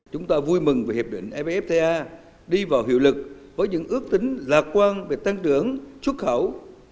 chúng ta vui mừng về hiệp định evfta đi vào hiệu lực với những ước tính lạc quan về tăng trưởng xuất khẩu